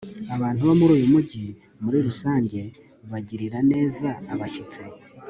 abantu bo muri uyu mujyi, muri rusange, bagirira neza abashyitsi